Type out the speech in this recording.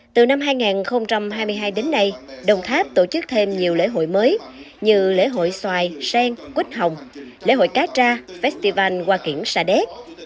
từ năm hai nghìn hai mươi hai đến nay đồng tháp tổ chức thêm nhiều lễ hội mới như lễ hội xoài sen quýt hồng lễ hội cá tra festival hoa kiển sa đéc